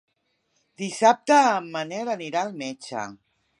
Dissabte en Manel anirà al metge.